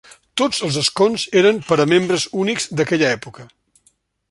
Tots els escons eren per a membres únics d'aquella època.